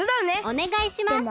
おねがいします。